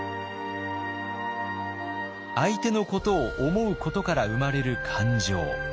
相手のことを思うことから生まれる感情。